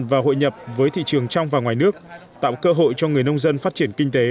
và hội nhập với thị trường trong và ngoài nước tạo cơ hội cho người nông dân phát triển kinh tế